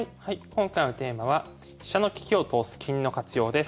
今回のテーマは「飛車の利きを通す金の活用」です。